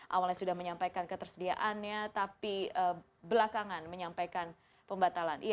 awalnya sudah menyampaikan ketersediaannya tapi belakangan menyampaikan pembatalan